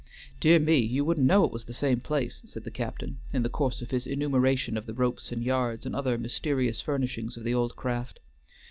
"Dear me! you wouldn't know it was the same place," said the captain, in the course of his enumeration of the ropes and yards and other mysterious furnishings of the old craft.